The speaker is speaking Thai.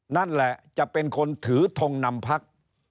นั่นแหละจะเป็นคนถือทงนำพัก